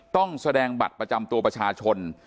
ต้องแสดงบัตรประจำตัวประชาชน